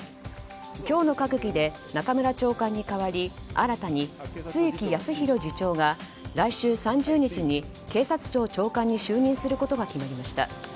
今日の閣議で、中村長官に代わり新たに露木康浩次長が来週３０日に警察庁長官に就任することが決まりました。